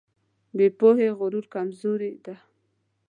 بې پوهې غرور کمزوري ده.